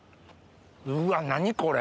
うわ何これ？